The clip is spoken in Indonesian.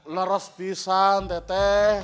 leros pisang teh teh